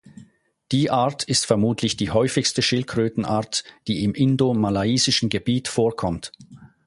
Die Art ist vermutlich die häufigste Schildkrötenart, die im indo-malaysischen Gebiet vorkommt.